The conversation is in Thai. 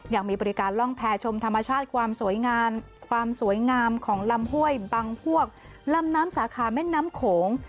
ยังมีบริการล่องแพรชมธรรมชาติความสวยงามความสวยงามของลำห้วยบังพวกลำน้ำสาขาแม่น้ำโขง